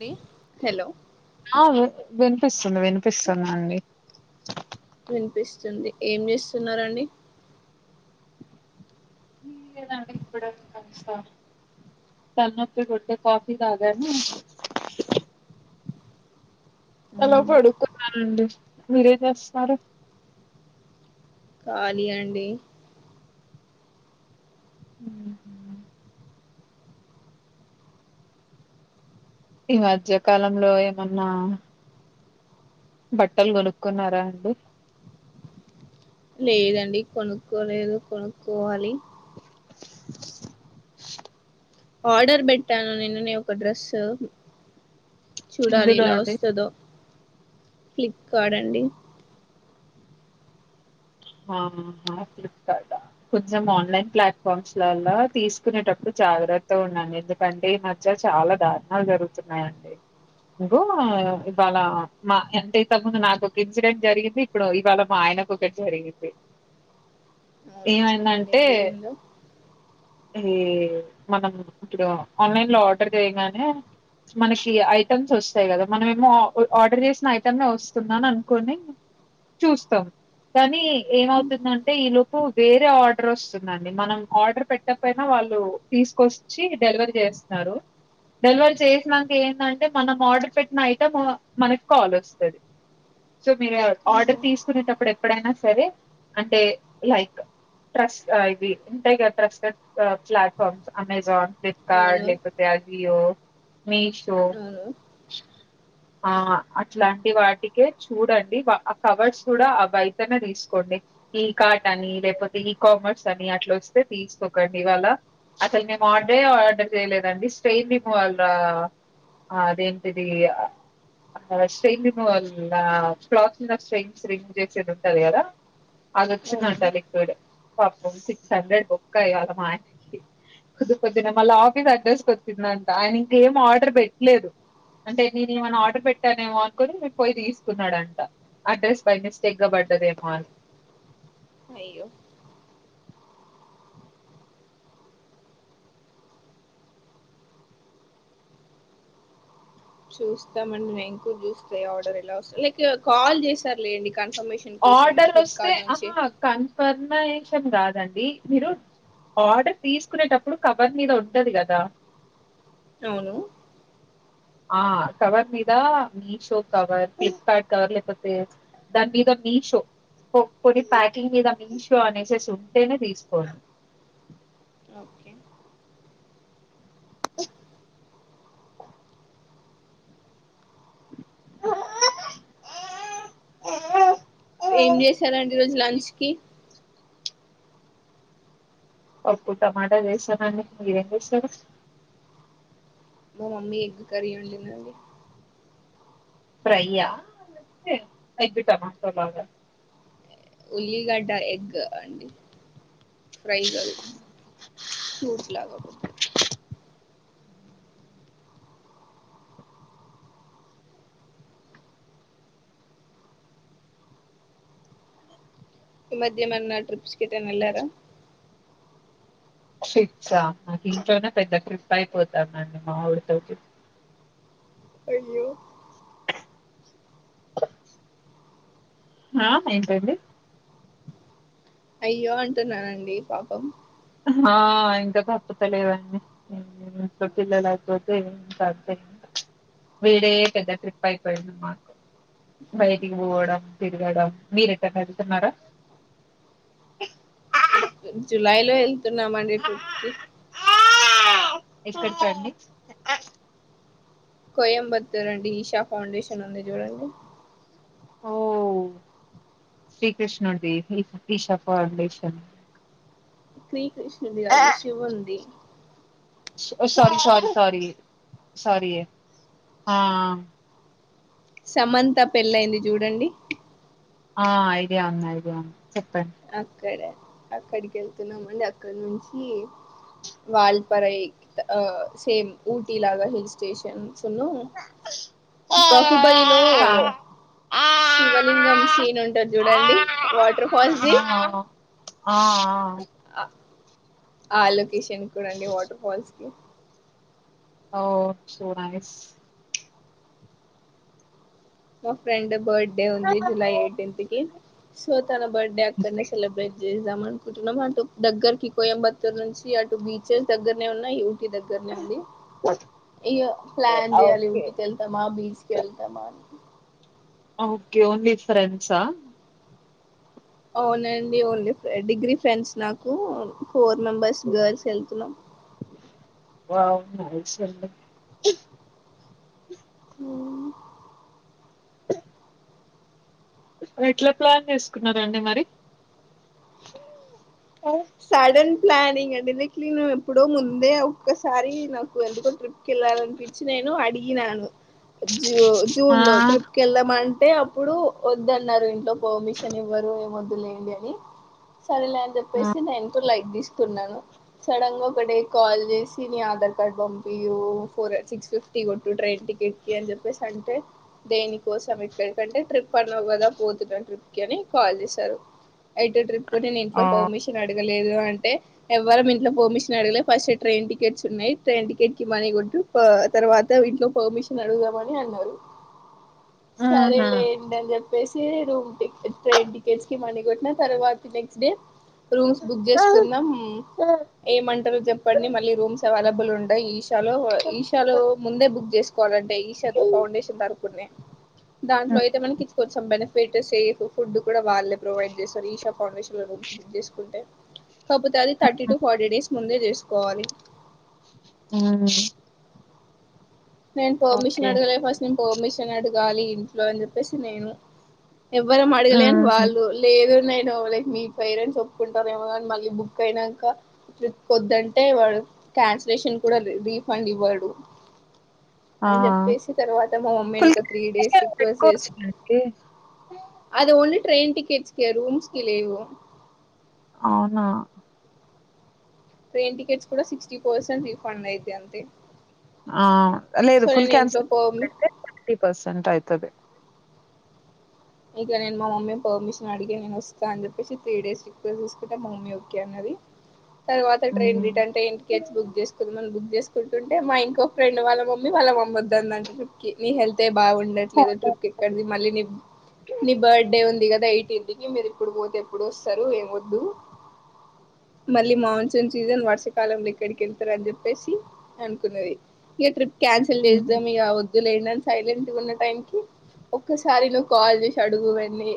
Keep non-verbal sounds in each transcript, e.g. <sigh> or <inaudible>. P hello ఆ వి వినిపిస్తుంది వినిపిస్తుంది అండి విన్పిస్తుంది ఏం చేస్తున్నారండి <inaudible> తలనొప్పిగుంటే కాఫీ తాగాను అలా అవును పడుకున్నానండి మీరేం చేస్తున్నారు ఖాళీ అండి ఊహూ ఈ మధ్యకాలంలో ఏమన్నా బట్టలు కొనుక్కున్నారా అండి లేదండి కొనుక్కోలేదు కొనుక్కోవాలి ఆర్డర్ పెట్టాను నిన్ననే ఒక డ్రస్సు చూడాలి ఇందులో ఇలా అండి వస్తదో ఫ్లిప్కార్డ్ అండి హమ్మ ఫ్లిప్కార్డ్ ఆ కొంచెం ఆన్లైన్ ప్లాట్ఫామ్స్ లల్ల తీసుకునేటప్పుడు జాగ్రత్త ఉండండి ఎందు కంటే ఈ మధ్య చాలా దారుణాలు జరుగుతున్నాయండి ఇగో ఇవాళ మా ఎంతైతకు ముందు నాకు ఒక ఇన్సిడెంట్ జరిగింది ఇప్పుడు ఇవాళ మా ఆయనకు ఒకటి జరిగి అవునా చెప్పండి ఏమైందంటే ఏం జరిగిందో ఈ మనం ఇప్పుడు ఆన్లైన్ లో ఆర్డర్ చేయంగానే మనషీ ఐటమ్స్ వస్తాయి కదా మనం ఏమో <unintelligible> ఆర్డర్ చేసిన ఐటమ్ యే వస్తుందని అనుకోని చూస్తాం కానీ ఉమ్, ఏమవుతుందంటే ఈ లోపు వేరే ఆర్డర్ వస్తుందండి మనం ఆర్డర్ పెట్టకపోయినా వాళ్ళు తీసుకొస్ చ్చి డెలివరీ చేసినారు డెలివరీ చేసినంక ఏందంటే మనం ఆర్డర్ పెట్టిన ఐటము మనకి కాల్ వస్తది సో మీరు ఆర్డర్ అవును తీసుకునేటప్పుడు ఎప్పుడైనా సరే అంటే లైక్ ట్రస్ట్ ఆ ఇది ఉంటాయి గా ట్రస్టెడ్ పి ప్లాట్ఫామ్స్ అమేజాన్ ఫ్లిప్కార్ట్ అవును లేకపోతే అజియో మీషో అవును ఆ అట్లాంటి వాటికే చూడండి వా ఆ కవర్స్ కూడా అవి అయితేనే తీసుకోండి ఈ కార్ట్ అని లేకపోతే ఈ కామర్స్ అని అట్లా వస్తే తీసుకోకండి ఇవాళ అసలు మేము ఆర్డరే ఆర్డర్ చేయలేదండి స్ట్రెయిన్ రిమూవల్ ఆ ఆదేంటది ఆ స్ట్రెయిన్ రిమూవల్ ఆ క్లాత్ మీద స్ట్రెయిన్స్ రిమూవ్ చేసేది ఉంటాది కదా అవును అదొచ్చిందంట లిక్విడ్ పాపం సిక్స్ హండ్రెడ్ బొక్క ఇయ్యాల మా ఆయన కి పొద్దు పొద్దున్నే మళ్ళా ఆఫీస్ అడ్రస్ కి వచ్చిందంట ఆయన ఇంకేం ఆర్డర్ పెట్టలేదు అంటే నేను ఏమైనా ఆర్డర్ పెట్టానేమో అనుకొని పొయ్యి తీసుకున్నాడంట అడ్రస్ బై మిస్టేక్ గా పడ్డదేమో అని అయ్యో చూస్తామండి మేం కూ చూస్తే ఆర్డర్ ఎలా వస్త లైకు కాల్ చేసారు లేండి కన్ ఫర్మేషన్ కోసం ఫ్లిప్కార్ట్ నుంచి కన్ఫర్మయేషన్ గాదండి మిరు ఆడర్ తీస్కునేటప్పుడు కవర్ మీద ఉంటది గద ఔను ఆ కవర్ మీదా మీషో కవర్ ఫ్లిప్కాట్ కవర్ లేక్పోతె దాన్మీద మీషో కొ కొన్ని ప్యాకింగ్ మీద మీషో అనేసేసుంటేనె తీస్కొ ఓక్కె ఏం జేశారండి ఇ రోజ్ లంచ్ కి పప్పు టమాట జేసామండి మీరేం జేశారు మ మమ్మీ ఎగ్ కర్రీ వండిందండి ఫ్రై ఆ లేక్పోతె ఎగ్గ్ టమాటో లాగ ఉల్లిగడ్డ ఎగ్గ్ అండి ఫ్రై గాదు సూప్లాగ కొద్దిగ ఇ మధ్యేమన్న ట్రిప్స్కెటన్నెల్లార ట్రిప్స నాకింట్లోనె పెద్ద ట్రిప్పపోతాందండి మావోళ్ళతో అయ్యో ఆ ఏంటండి అయ్యో అంటున్నానండీ పాపం హా ఇంక తప్పుత లేదండి ఉమ్ ఊమ్ <unintelligible> పిల్లలైపోతె ఇంక అంతేనండి వీడే పెద్ద ట్రిప్పైపోయింది మాకు బైటికి పోవడం తిరగడం మీరు ఎటైనెల్తున్నార ఇప్ జులాయ్లో యెళ్తున్నామండి ట్రిప్కి ఎక్కడ్కండి కొయంబత్తూరండి ఈషా ఫౌండేషనుంది జూడండి ఓ శ్రీకృష్ణుడ్ది ఈఫ ఈషా ఫౌండేషన్ శ్రీకృష్ణున్ది గాదు శివున్ది ష్ సారి సారి సారి సారి ఏ ఆ సమంత పెళ్ళైంది జూడండి ఆ ఐడియా ఉంది ఐడియా ఉంది చెప్పండి అక్కడ అక్కడ్కెళ్తున్నామండి అక్కడ్నుంచీ వాల్పరైక్ త్ ఆ సేమ్ ఊటీ లాగ హిల్ స్టేషన్సునూ బహుబలిలో ఫ్యామ్ శివలింగం సీనుంటద్ జూడండి వాట్రఫాల్స్ది ఆ ఆ ఆ అ ఆ లొకేషన్కూడండి వాట్ర్ఫాల్స్కి ఓ సో నైస్ మా ఫ్రెండ్ బడ్డే ఉంది జులై ఎయ్టీన్త్కి సో తన బడ్డే అక్కడ్నే సెలబ్రేట్ జేస్దామనుకుంటున్నాం అటు దగ్గర్కి కొయంబత్తూర్ నుంచి అటు బీచెస్ దగ్గర్నే ఉన్నయ్ ఇంటి దగ్గర్నే ఉండి ఇగ ప్లాన్ జెయ్యాలి ఇంటికెల్ తమా బీచ్కెల్తమ ఓక్కే ఓన్లీ ఫ్రెండ్స ఔనండి ఓన్లీ ఫ్రె డిగ్రీ ఫ్రెండ్స్ నాకూ ఫోర్ మెంబర్స్ గార్ల్స్ యెళ్తున్నం వామ్మో అసలు ఉమ్ ఎట్ల ప్లాన్ చేసుకున్నారండి మరి సడన్ ప్లానింగ్ అండి నీక్ నిను ఎప్పుడో ముందే అ ఒక్కసారి నాకు ఎందుకో ట్రిప్కి వెళ్ళాలనిపించి నేను అడిగినను జూ ఆ! జూన్లో ట్రిప్ కేళ్దామంటే అప్పుడు వద్దు అన్నారు ఇంట్లో పర్మిషన్ ఇవ్వరు ఏమ వద్దులేండి అని ఉ సరేలే అని చెప్పేసి నేను కూడ లైట్ తీసుకున్నాను సడన్గా ఒకడే కాల్ చేసి నీ ఆధార్ కార్డ్ పంపి ఫోర్ సిక్స్ ఫిఫ్టీ టిగొట్టు ట్రైన్టికెట్కి అని చెప్పేసి అంటే దేని కోసం ఎక్కడికంటే ట్రిప్ అన్నవు కదా పోతున్నా ట్రిప్కి అని కాల్ చేశారు ఐతే ట్రిప్కు నేను ఇంట్లో పర్మిషన్ అడగలేదు అంటే ఎవ్వరం ఇంట్లో పర్మిష అగలే ఫస్ట్ ట్రైన్ టికెట్స్ ఉన్నాయి ట్రైన్ టికెట్కి మనీ కొట్టు ఆ తర్వాత ఇంట్లో పర్మిషన్ అడుగుదామని అన్నారు హ సరేలే డని చెప్పేసి రూమ్ కి ట్రైన్ టికెట్స్ కి మనీ కొట్టిన తర్వాత నెక్స్ట్డే రూమ్స్ బుక్ చేసుకున్నాం ఏమంటారు చెప్పండి మళ్ళీ రూమ్స్ అవైలబుల్ ఉంటాయి ఈషాలో ఈషాలో ముందే బుక్ చేస్ కోవాలంటే ఈషా ఫౌండేషన్ తరుపునే దాంట్లో హ్మ్. అయితే మనకి కొంచెం బెనిఫిట్ సేఫ్ ఫుడ్ కూడా వాళ్ళే ప్రొవైడ్ చేస్తారు ఈషా ఫౌండేషన్లో చేసుకుంటె కాకపోతే అది థర్టీ టు ఫార్టీ డేస్ ముందే చేసుకోవాలి అవున నేను ఓకే. పర్మిషనడగలే ఫస్ట్ నేను పర్మిషన్ అడగాలి ఇంట్లో అని చెప్పేసి నేను ఎవ్వరం అడగలే హుహు. అనివాళ్ళు లేదునీను లైక్ మీ పేరెంట్స్ ఒప్పుకుంటారు ఏమోనీ మళ్ళీ బుక్ అయినంక ట్రిప్ వద్దంటే వాడు క్యాన్సలేషన్ కూడా రీఫండ్ ఇవ్వడు ఆ! అని చెప్పేసి తర్వాత మా మమ్మీని ఫుల్ ఒక త్రీ డేస్ క్యాన్సిలేషన్ రిక్వెస్ట్ చేస్ పెట్టుకోవచ్చునండి. అది ఓన్లీ ట్రెన్ టికెట్స్కే రూమ్స్కీ లెవు అవునా ట్రైన్ టికెట్స్ కూడా సిక్స్టీ పర్సెంట్ రిఫండయితయి అంతే ఆ లేదు సో ఫుల్ నేను ఇంట్లో క్యాన్సట్ పర్మి అయితే ఫిఫ్టీ పర్సెంట్ అవుతది ఇక నేను మా మమ్మీ పర్మిషనడిగి నేను వస్తా అని చెప్పసి త్రీ డేస్ చూకుంటే మా మమ్మీ ఓకే అన్నది తర్వాత ట్రైన్ హ్మ్. కంటే ఇంటికట్ బుక్ చేసుకుంద మన బక్ చేసుకుంటే మా ఇంకో ఫ్రెం వాళ్ళ మమ్మీ వాళ్ళ మమ్మ వద్దందంట కి నీ హెళ్తే బాఉండట్లేదు అవును. ట్రిప్ ఇక్కడిది మళ్ళీ నీ నీ బర్త్డే ఉంది కదా ఎయిటీన్త్కి మీరు ఇప్పుడు పోతే ఎప్పుడు వస్తరు ఏమోద్దు మళ్ళీ మాన్సూన్ సీజన్ వర్షాకాలంలో ఎక్కడికి వెళ్తారని చెప్పేసి అనుకున్నది ఇగ ట్రిప్ క్యాన్సల్ హ్మ్. చేద్దాం ఇగ వద్దులేని సైలెంట్ గా ఉన్న టైం క ఒక్కసారి నువ్వు కాల్చే చడుగువన్నీ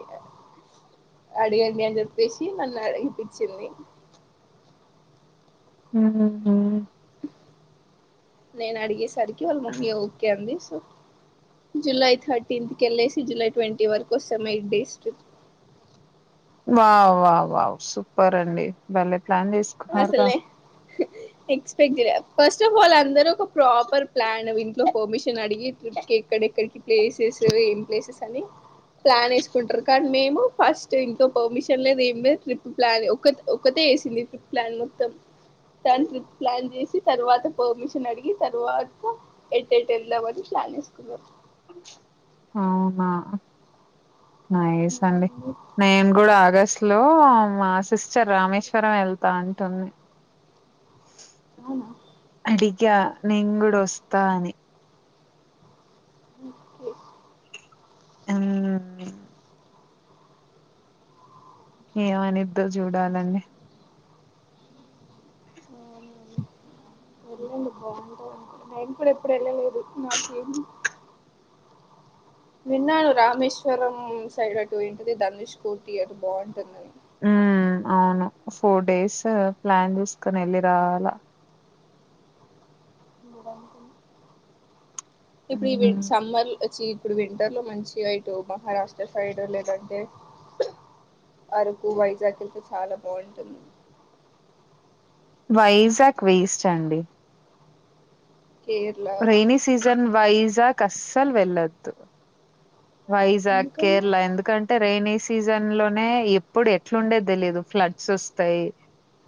అడగండి అని చెప్పేసి నన్ను అడిగిపించింది ఉహుహు నేను అడిగేసరికి వాళ్ళ మమ్మీ ఓకే అంది సో జులై థర్టీన్త్కేళ్ళేసి జులై ట్వంటీ వరకు వస్తాం ఎయిట్ డేస్ వా్ వా్ వావ్ సూపర్ అండి మళ్ళీ ప్లాన్ చేసి అసలే ఎక్స్పెక్ట్ చేయలే ఫస్ట్ ఆఫ్ ఆల్ అందరుూ ఒక ప్రాపర్ ప్లాన్ ఇంట్లో పర్మిషన్ అడిగి ట్రిప్కి ఎక్కడెక్కడికి ప్లేసెస్ ఏం ప్లేసెస్ అని ప్లాన్ ఏసుకుంటారు కానీ మేము ఫస్ట్ ఇంకో పర్మిషన్ లేదు ఏమి ట్రిప్ ప్లాన్ ఒక ఒకట ఏసింది ట్రిప్ ప్లాన్ మొత్తం తానికి ప్లాన్ చేసి తర్వాత పర్మిషన్ అడిగి తర్వాత ఎటెటు ఏళ్దాంమని ప్లాన్ ఏసుకున్నాం అవునా నైస్ అండి ఓ నేను గూడా ఆగస్ లో మా సిస్టర్ రామేశ్వరం వెళ్తా అంటుంది అవునా అడిగా నేను కూడా ఆస్తా అని ఓ మ్మ్. ఏమనిద్దో చూడాలండి వెళ్ళండి బాగుంటాది అంట మైం కూడా ఎప్పుడు వెళ్ళలేదు నాకేమీ విన్నాను రామేశ్వరం సైడ్ అటు ఏంటిది ధనుష్ కోటి అటు బాగుంటుందని ఉ అవును ఫోర్ డేస్ ప్లాన్ చూసుకని ఏళ్ళి రావాల గుడంకి ఇప్పుడు ఈ విన్ సమ్మర్ చ్చి ఇప్పుడు వింటర్ లో మంచిగా ఇటు మహారాష్ట్ ష్ట్ర సైడ్ లేదంటే అరకు వైజాగ్ ఏళ్తే చాలా బాగుంటుంది వైజాగ్ వేస్ట్ అండి ఓకే రైనీ సీజన్ వైజాగ్ అస్సలు వెళ్ళద్దు వైజాగ్ ఎందుకండి కేరళ ఎందుకంట్ టే రైనీ సీజన్ లోనే ఎప్పుడు ఎట్లుండేది తెలిదు ఫ్లడ్స్ ఆస్తాయి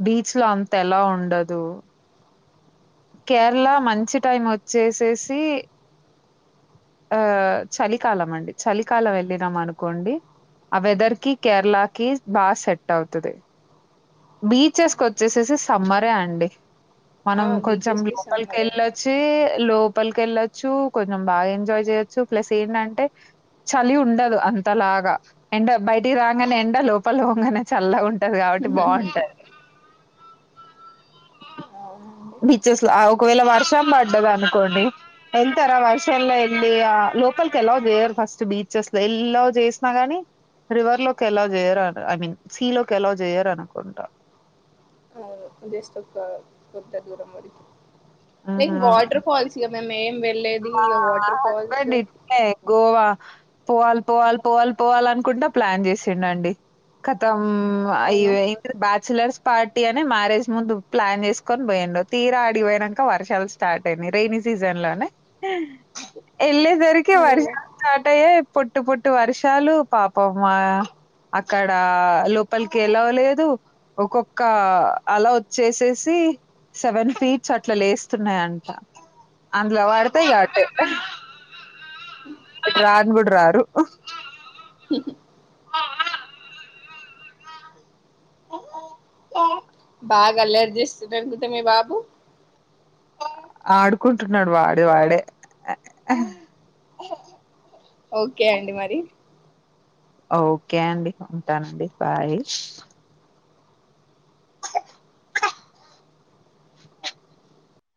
బీచ్ లో అంత ఎల్లో ఉండాదు కేరళ మంచి టైం వచ్చేసేసి ఆ చలికాలం అండి చలికాలం వెళ్ళినాం అనుకోండి ఆ వెదర్ కి కేరళకిి బా సెట్ అవుతాది బీచెస్ కి వచ్చేసేసి సమ్మరే అండి ఆ మనం కొంచెం బీచెస్ కి లోకల్కి సమ్మరే ఏళ్ళ వచ్చి లోపలికి వెళ్ళొచ్చు కొంచెం బాగా ఎంజాయ్ చేయొచ్చు ప్లస్ ఏందంటే చలి ఉండదు అంతలాగా అండ్ బయటికి రాగానే ఎండ లోపలికి వొంగనే చల్లగా ఉంటాది కాబట్టి బాగుంటాది అవునండి బీచెస్ లో ఆ ఒకవేళ వర్షం పడ్డది అనుకోండి ఏళ్ళరా వర్ష లో ఏళ్ళలి ఆ లోకల్కి ఎల్లో చేయరా ఫస్ట్ బీచెస్ లో ఎల్లో చేసినా గాని రివర్ లోకి ఎల్లో చేయరు అట ఐ మీన్ సీ లోకి ఎల్లో చేయరు అనుకుంటా లైక్ వాటర్ ఫాల్స్ ఇగా మేము ఏం వెళ్లేది ఇగ వాటర్ ఫాల్స్ ఏ గోవా పోవాలి పోవాలి పోవాలి పోవాల అనుకుంట ప్లాన్ చేసిండండి కతం ఐ అవును వైన్ బ్యాచులర్స్ పార్టీ అనే మ్యారేజ్ ముందు ప్లాన్ చేసుకొని పోయాండు తీరా ఆడిపోయినాంక వర్షాలు స్టార్ట్ అయింది రైనీ సీజన్ లోనే వెళ్ళేసరికి వర్ష అయ్యో స్టార్ట్ అయ్యే పొట్టు పొట్టు వర్షాలు పాపం ఆ అక్కడ లోపలికి అల్లో లేదు ఒకొక్క అలా వచ్చేసేసి సెవెన్ ఫీట్స్ అట్ల లేస్తున్నాయంట అందులో పడు తే ఆ అయ్యో అట రాని కూడా రారు ఆ బాగా అల్లరి జేస్తున్నారు అనుకుంట మీ బాబు ఆడుకుంటున్నాడు వాడే వాడే ఓకే అండి మరి ఓకే అండి ఉంటానండి బాయ్